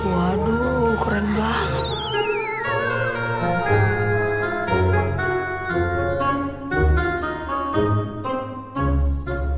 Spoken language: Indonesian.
waduh keren banget